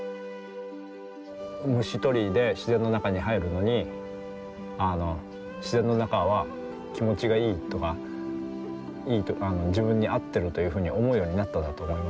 虫取りで自然の中に入るのに自然の中は気持ちがいいとか自分に合っているというふうに思うようになったんだと思います。